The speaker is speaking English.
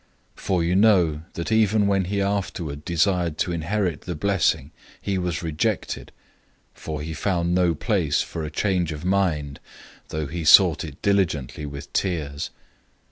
012:017 For you know that even when he afterward desired to inherit the blessing, he was rejected, for he found no place for a change of mind though he sought it diligently with tears.